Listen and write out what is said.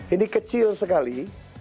ini kecil sekali